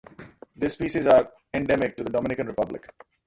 This species is endemic to the Dominican Republic.